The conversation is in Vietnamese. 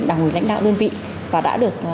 đảng ủy lãnh đạo đơn vị và đã được